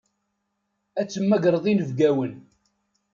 Ad temmagreḍ inebgawen.